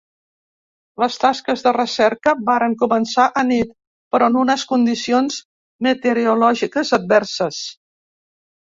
Les tasques de recerca varen començar anit, però en unes condicions meteorològiques adverses.